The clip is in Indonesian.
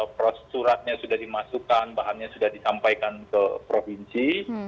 pros suratnya sudah dimasukkan bahannya sudah disampaikan ke provinsi